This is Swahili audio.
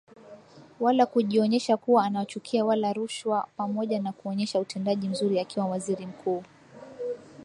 wala kujionyesha kuwa anawachukia wala rushwa Pamoja na kuonyesha utendaji mzuri akiwa Waziri Mkuu